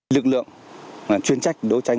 lực lượng chuyên trách đấu tranh